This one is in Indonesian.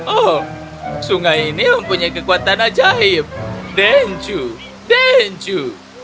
oh sungai ini mempunyai kekuatan ajaib denjo denjo